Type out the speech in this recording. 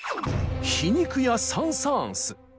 皮肉屋サン・サーンス。